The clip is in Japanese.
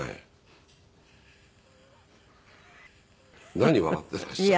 何笑っていらっしゃるの？